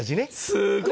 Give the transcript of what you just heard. すごい！